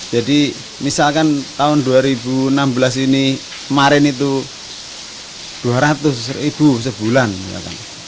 jadi misalkan tahun dua ribu enam belas ini kemarin itu dua ratus ribu sebulan